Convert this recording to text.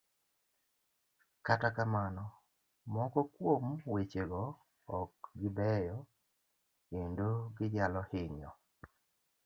Kata kamano, moko kuom wechego ok gi beyo, kendo ginyalo hinyo